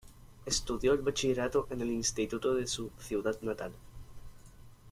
Estudió el bachillerato en el instituto de su ciudad natal.